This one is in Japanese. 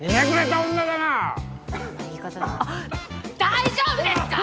大丈夫ですか？